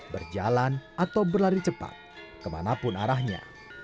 berjalan atau berlari cepat kemanapun arahnya